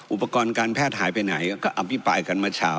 อุปกรณ์การแพทย์หายไปไหนก็อภิปรายกันเมื่อเช้า